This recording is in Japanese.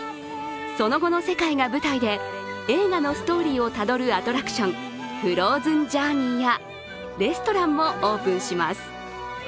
その後の世界が舞台で映画のストーリーをたどるアトラクション、フローズンジャーニーやレストランもオープンします。